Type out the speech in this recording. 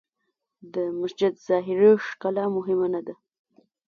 د مسجد ظاهري ښکلا مهمه نه ده.